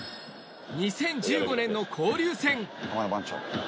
２０１５年の交流戦。